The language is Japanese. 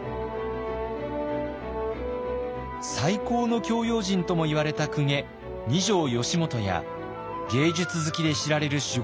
最高の教養人ともいわれた公家二条良基や芸術好きで知られる守護